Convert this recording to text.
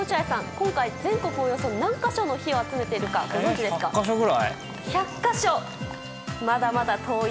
今回全国およそ何か所の火を集めているか１００か所くらい？